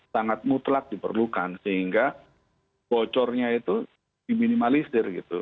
sangat mutlak diperlukan sehingga bocornya itu diminimalisir gitu